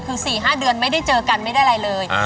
คือ๔๕เดือนไม่ได้เจอกันไม่ได้อะไรเลย